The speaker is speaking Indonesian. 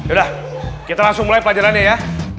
udah kita langsung mulai pelajarannya ya